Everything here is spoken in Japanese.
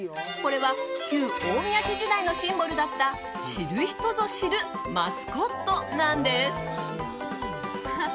これは旧大宮市時代のシンボルだった知る人ぞ知るマスコットなんです。